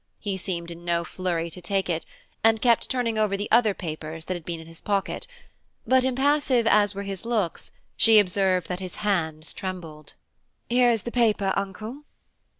He seemed in no flurry to take it, and kept turning over the other papers that had been in his pocket; but impassive as were his looks, she observed that his hands trembled. "Here is the paper, Uncle."